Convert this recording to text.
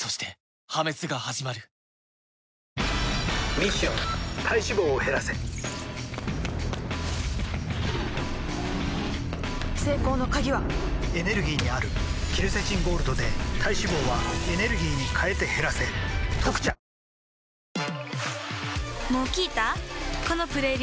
ミッション体脂肪を減らせ成功の鍵はエネルギーにあるケルセチンゴールドで体脂肪はエネルギーに変えて減らせ「特茶」吾輩は栄養である